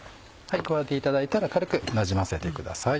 加えていただいたら軽くなじませてください。